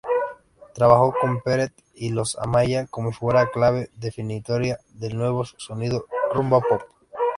Trabajó con Peret y Los Amaya como figura clave definitoria del nuevo sonido "rumba-pop".